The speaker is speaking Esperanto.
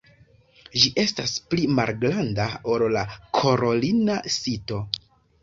Ĝi estas pli malgranda ol la karolina sito.